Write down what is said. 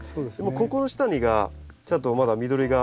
ここの下がちゃんとまだ緑が。